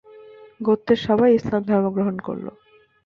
গোত্রের সবাই ইসলাম ধর্ম গ্রহণ করল।